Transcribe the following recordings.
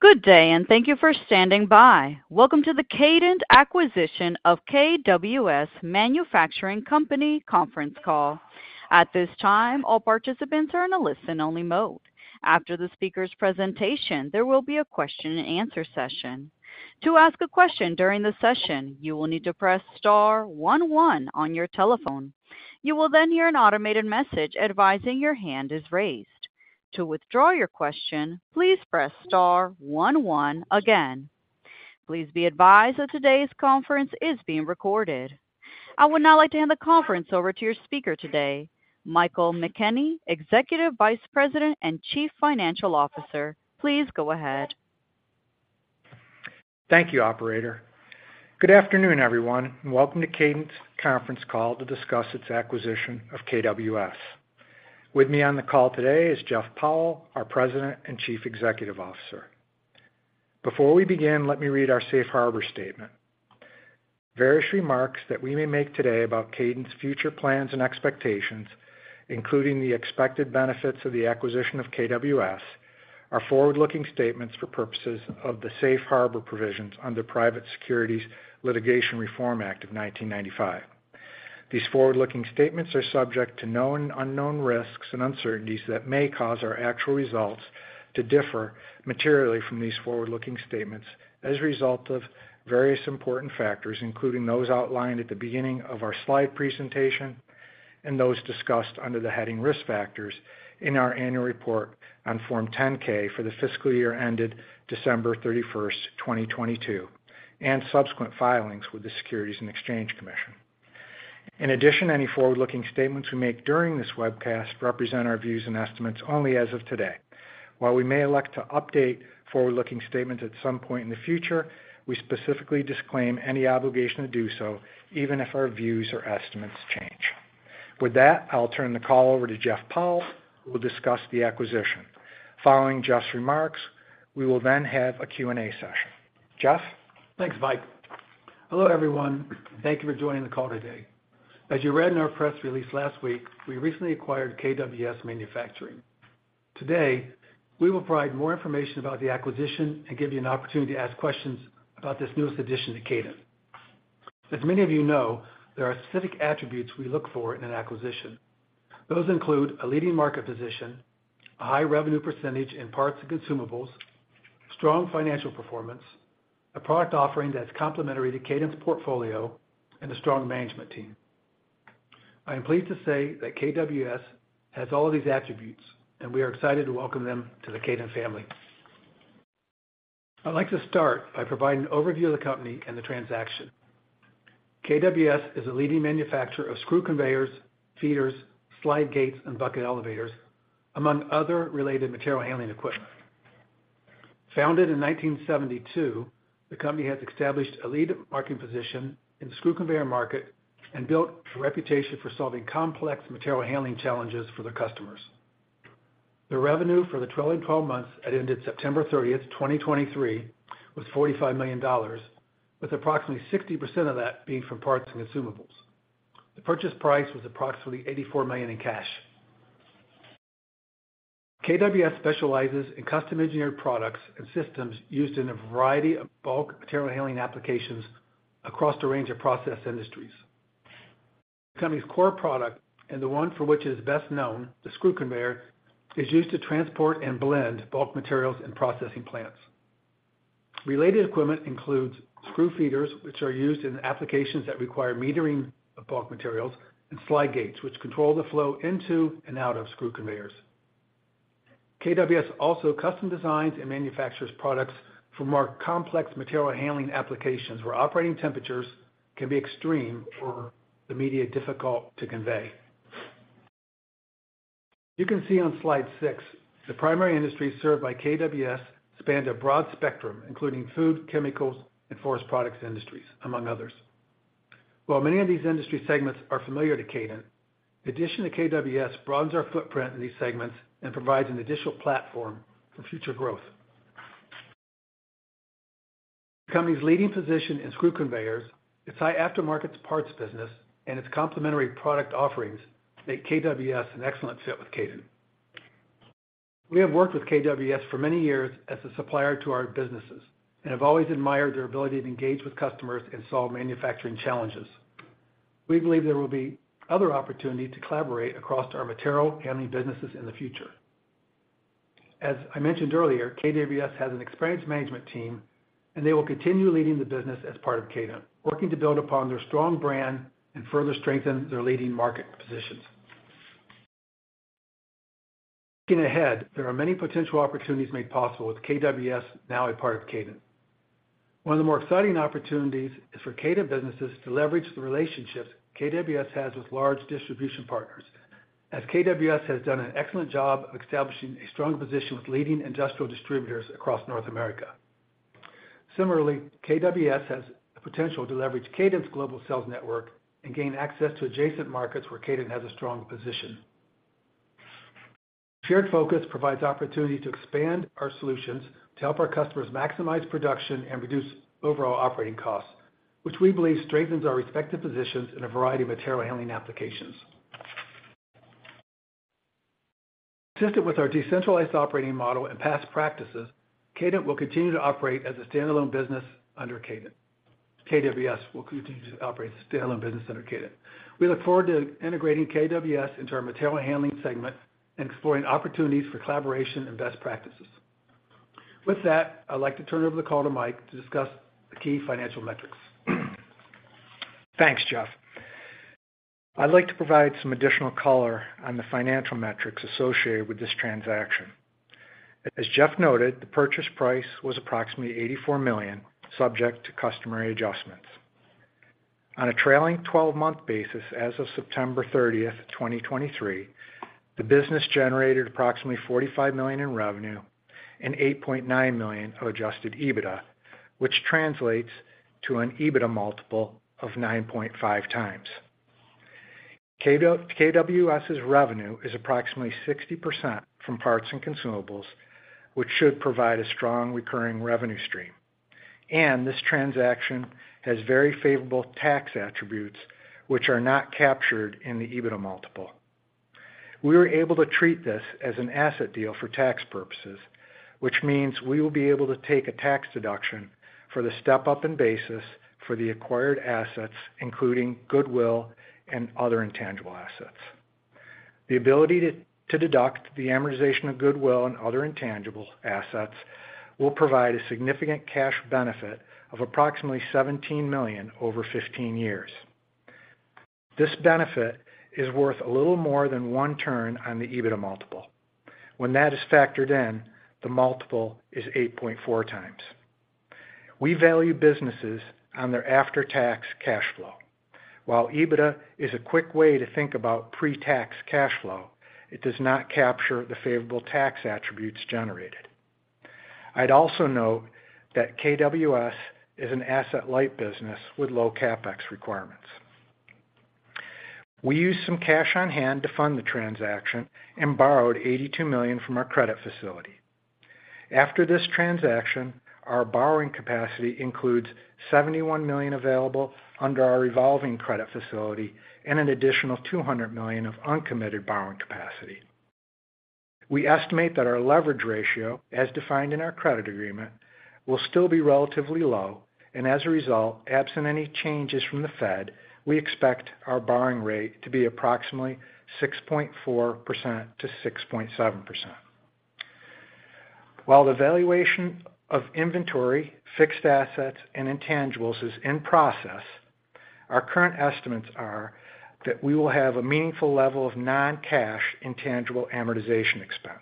Good day, and thank you for standing by. Welcome to the Kadant Acquisition of KWS Manufacturing Company conference call. At this time, all participants are in a listen-only mode. After the speaker's presentation, there will be a question-and-answer session. To ask a question during the session, you will need to press star one, one on your telephone. You will then hear an automated message advising your hand is raised. To withdraw your question, please press star one, one again. Please be advised that today's conference is being recorded. I would now like to hand the conference over to your speaker today, Michael McKenney, Executive Vice President and Chief Financial Officer. Please go ahead. Thank you, operator. Good afternoon, everyone, and welcome to Kadant's conference call to discuss its acquisition of KWS. With me on the call today is Jeff Powell, our President and Chief Executive Officer. Before we begin, let me read our safe harbor statement. Various remarks that we may make today about Kadant's future plans and expectations, including the expected benefits of the acquisition of KWS, are forward-looking statements for purposes of the Safe Harbor Provisions under Private Securities Litigation Reform Act of 1995. These forward-looking statements are subject to known and unknown risks and uncertainties that may cause our actual results to differ materially from these forward-looking statements as a result of various important factors, including those outlined at the beginning of our slide presentation and those discussed under the heading Risk Factors in our annual report on Form 10-K for the fiscal year ended December 31, 2022, and subsequent filings with the Securities and Exchange Commission. In addition, any forward-looking statements we make during this webcast represent our views and estimates only as of today. While we may elect to update forward-looking statements at some point in the future, we specifically disclaim any obligation to do so, even if our views or estimates change. With that, I'll turn the call over to Jeff Powell, who will discuss the acquisition. Following Jeff's remarks, we will then have a Q&A session. Jeff? Thanks, Mike. Hello, everyone. Thank you for joining the call today. As you read in our press release last week, we recently acquired KWS Manufacturing. Today, we will provide more information about the acquisition and give you an opportunity to ask questions about this newest addition to Kadant. As many of you know, there are specific attributes we look for in an acquisition. Those include a leading market position, a high revenue percentage in parts and consumables, strong financial performance, a product offering that's complementary to Kadant's portfolio, and a strong management team. I am pleased to say that KWS has all of these attributes, and we are excited to welcome them to the Kadant family. I'd like to start by providing an overview of the company and the transaction. KWS is a leading manufacturer of screw conveyors, feeders, slide gates, and bucket elevators, among other related material handling equipment. Founded in 1972, the company has established a leading market position in the screw conveyor market and built a reputation for solving complex material handling challenges for their customers. The revenue for the trailing 12-months that ended September 30, 2023, was $45 million, with approximately 60% of that being from parts and consumables. The purchase price was approximately $84 million in cash. KWS specializes in custom-engineered products and systems used in a variety of bulk material handling applications across the range of process industries. The company's core product, and the one for which it is best known, the screw conveyor, is used to transport and blend bulk materials in processing plants. Related equipment includes screw feeders, which are used in applications that require metering of bulk materials, and slide gates, which control the flow into and out of screw conveyors. KWS also custom designs and manufactures products for more complex material handling applications, where operating temperatures can be extreme or the media difficult to convey. You can see on slide six, the primary industries served by KWS span a broad spectrum, including food, chemicals, and forest products industries, among others. While many of these industry segments are familiar to Kadant, the addition to KWS broadens our footprint in these segments and provides an additional platform for future growth. The company's leading position in screw conveyors, its high aftermarket parts business, and its complementary product offerings make KWS an excellent fit with Kadant. We have worked with KWS for many years as a supplier to our businesses and have always admired their ability to engage with customers and solve manufacturing challenges. We believe there will be other opportunities to collaborate across our material handling businesses in the future. As I mentioned earlier, KWS has an experienced management team, and they will continue leading the business as part of Kadant, working to build upon their strong brand and further strengthen their leading market positions. Looking ahead, there are many potential opportunities made possible with KWS now a part of Kadant. One of the more exciting opportunities is for Kadant businesses to leverage the relationships KWS has with large distribution partners, as KWS has done an excellent job of establishing a strong position with leading industrial distributors across North America. Similarly, KWS has the potential to leverage Kadant's global sales network and gain access to adjacent markets where Kadant has a strong position. Shared focus provides opportunity to expand our solutions to help our customers maximize production and reduce overall operating costs, which we believe strengthens our respective positions in a variety of material handling applications. Consistent with our decentralized operating model and past practices, Kadant will continue to operate as a standalone business under Kadant. KWS will continue to operate as a standalone business under Kadant. We look forward to integrating KWS into our material handling segment and exploring opportunities for collaboration and best practices. With that, I'd like to turn over the call to Mike to discuss the key financial metrics. Thanks, Jeff. I'd like to provide some additional color on the financial metrics associated with this transaction. As Jeff noted, the purchase price was approximately $84 million, subject to customary adjustments. On a trailing 12-month basis, as of September 30, 2023, the business generated approximately $45 million in revenue and $8.9 million of adjusted EBITDA, which translates to an EBITDA multiple of 9.5x. KWS's revenue is approximately 60% from parts and consumables, which should provide a strong recurring revenue stream. And this transaction has very favorable tax attributes, which are not captured in the EBITDA multiple. We were able to treat this as an asset deal for tax purposes, which means we will be able to take a tax deduction for the step-up in basis for the acquired assets, including goodwill and other intangible assets. The ability to deduct the amortization of goodwill and other intangible assets will provide a significant cash benefit of approximately $17 million over 15 years. This benefit is worth a little more than one turn on the EBITDA multiple. When that is factored in, the multiple is 8.4x. We value businesses on their after-tax cash flow. While EBITDA is a quick way to think about pre-tax cash flow, it does not capture the favorable tax attributes generated. I'd also note that KWS is an asset-light business with low CapEx requirements. We used some cash on hand to fund the transaction and borrowed $82 million from our credit facility. After this transaction, our borrowing capacity includes $71 million available under our revolving credit facility and an additional $200 million of uncommitted borrowing capacity. We estimate that our leverage ratio, as defined in our credit agreement, will still be relatively low, and as a result, absent any changes from the Fed, we expect our borrowing rate to be approximately 6.4%-6.7%. While the valuation of inventory, fixed assets, and intangibles is in process, our current estimates are that we will have a meaningful level of non-cash intangible amortization expense.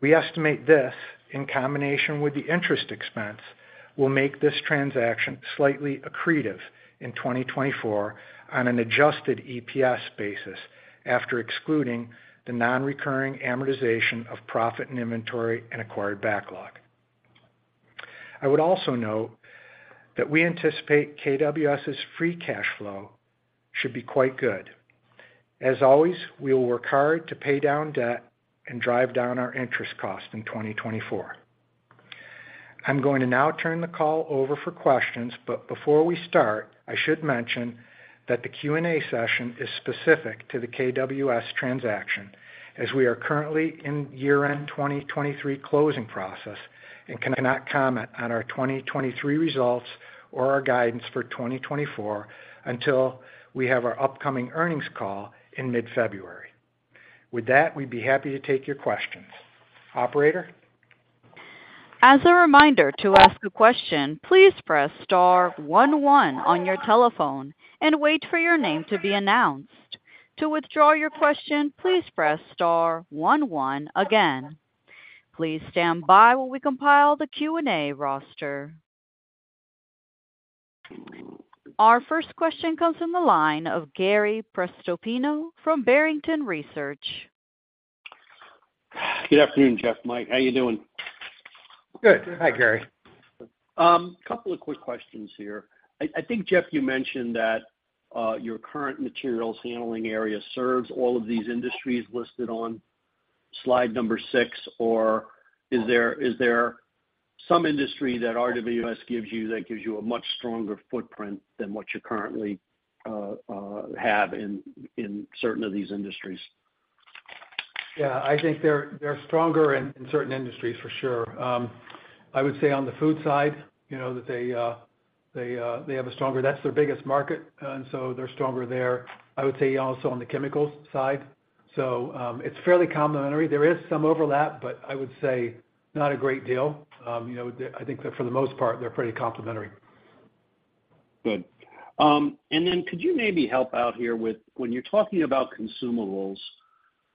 We estimate this, in combination with the interest expense, will make this transaction slightly accretive in 2024 on an adjusted EPS basis, after excluding the non-recurring amortization of profit in inventory and acquired backlog. I would also note that we anticipate KWS's free cash flow should be quite good. As always, we will work hard to pay down debt and drive down our interest costs in 2024. I'm going to now turn the call over for questions, but before we start, I should mention that the Q&A session is specific to the KWS transaction, as we are currently in year-end 2023 closing process and cannot comment on our 2023 results or our guidance for 2024, until we have our upcoming earnings call in mid-February. With that, we'd be happy to take your questions. Operator? As a reminder, to ask a question, please press star one one on your telephone and wait for your name to be announced. To withdraw your question, please press star one one again. Please stand by while we compile the Q&A roster. Our first question comes from the line of Gary Prestopino from Barrington Research. Good afternoon, Jeff, Mike, how are you doing? Good. Hi, Gary. Couple of quick questions here. I think, Jeff, you mentioned that your current materials handling area serves all of these industries listed on slide number six, or is there some industry that KWS gives you, that gives you a much stronger footprint than what you currently have in certain of these industries? Yeah, I think they're stronger in certain industries, for sure. I would say on the food side, you know, that they have a stronger... That's their biggest market, and so they're stronger there. I would say also on the chemicals side. So, it's fairly complementary. There is some overlap, but I would say not a great deal. You know, I think for the most part, they're pretty complementary. Good. And then could you maybe help out here with, when you're talking about consumables,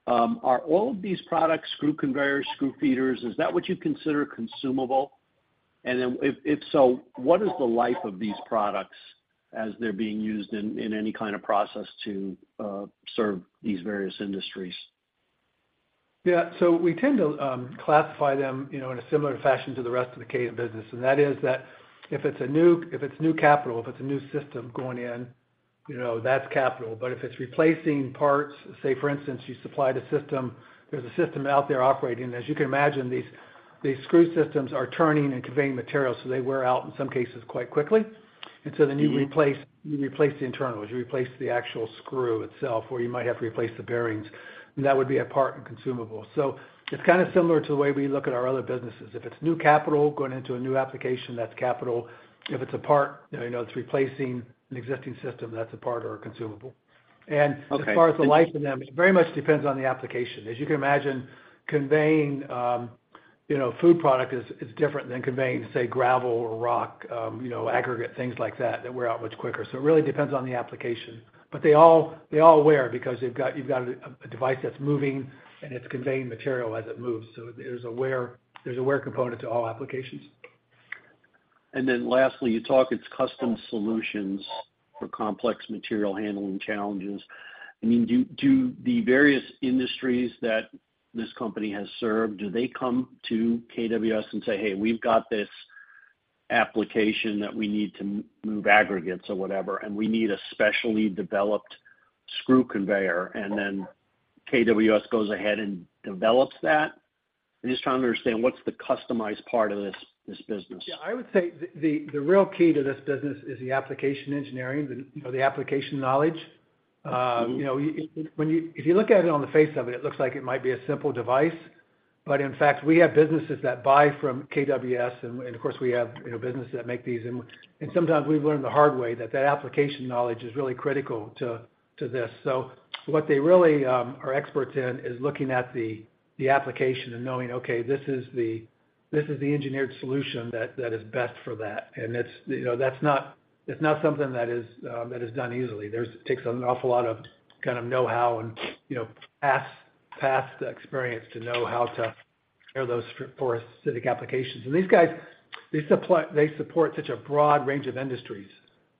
are all of these products, screw conveyors, screw feeders, is that what you consider consumable? And then if, if so, what is the life of these products as they're being used in any kind of process to serve these various industries? Yeah. So we tend to classify them, you know, in a similar fashion to the rest of the Kadant business, and that is that if it's new capital, if it's a new system going in, you know, that's capital. But if it's replacing parts, say, for instance, you supplied a system, there's a system out there operating. As you can imagine, these screw systems are turning and conveying materials, so they wear out, in some cases, quite quickly. And so then you replace, you replace the internals, you replace the actual screw itself, or you might have to replace the bearings. That would be a part and consumable. So it's kind of similar to the way we look at our other businesses. If it's new capital going into a new application, that's capital. If it's a part, you know, it's replacing an existing system, that's a part or a consumable. Okay. As far as the life of them, it very much depends on the application. As you can imagine, conveying, you know, food product is different than conveying, say, gravel or rock, you know, aggregate, things like that, that wear out much quicker. So it really depends on the application. But they all wear because they've got—you've got a device that's moving and it's conveying material as it moves, so there's a wear component to all applications. And then lastly, you talk it's custom solutions for complex material handling challenges. I mean, do the various industries that this company has served, do they come to KWS and say, "Hey, we've got this application that we need to move aggregates or whatever, and we need a specially developed screw conveyor," and then KWS goes ahead and develops that? I'm just trying to understand, what's the customized part of this, this business? Yeah, I would say the real key to this business is the application engineering, you know, the application knowledge. You know, when you if you look at it on the face of it, it looks like it might be a simple device, but in fact, we have businesses that buy from KWS, and of course, we have, you know, businesses that make these. And sometimes we've learned the hard way that that application knowledge is really critical to this. So what they really are experts in is looking at the application and knowing, okay, this is the engineered solution that is best for that. And it's, you know, that's not, it's not something that is that is done easily. Takes an awful lot of, kind of, know-how and, you know, past experience to know how to prepare those for specific applications. And these guys, they supply, they support such a broad range of industries.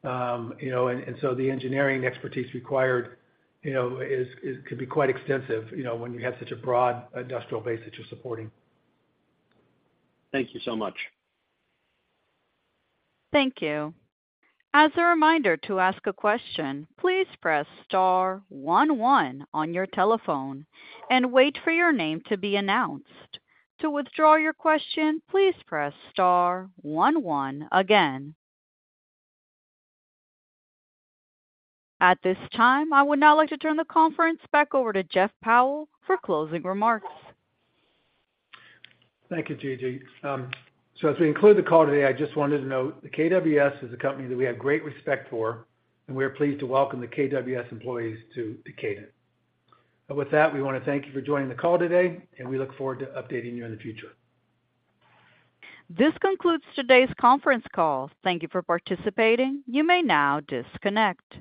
You know, and so the engineering expertise required, you know, is could be quite extensive, you know, when you have such a broad industrial base that you're supporting. Thank you so much. Thank you. As a reminder, to ask a question, please press star one one on your telephone and wait for your name to be announced. To withdraw your question, please press star one one again. At this time, I would now like to turn the conference back over to Jeff Powell for closing remarks. Thank you, Gigi. So as we conclude the call today, I just wanted to note that KWS is a company that we have great respect for, and we are pleased to welcome the KWS employees to Kadant. With that, we want to thank you for joining the call today, and we look forward to updating you in the future. This concludes today's conference call. Thank you for participating. You may now disconnect.